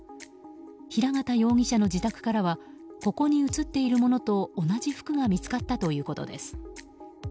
平形容疑者の自宅からはここに写っているものと同じ服が見つかったということです。